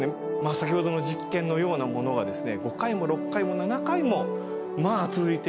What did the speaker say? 先ほどの実験のようなものが５回も６回も７回もまあ続いていて。